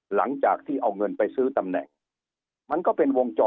หลังจากที่เอาเงินไปซื้อตำแหน่ง